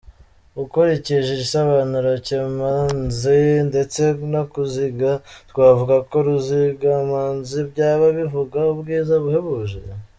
Ukurikije igisobanuro cy’imanzi ndetse no kuziga, twavuga ko Ruzigamanzi byaba bivuga ubwiza buhebuje.